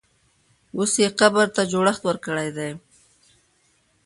اوس یې قبر ته جوړښت ورکړی دی.